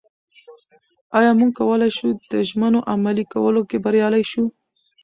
ایا موږ کولای شو د ژمنو عملي کولو کې بریالي شو؟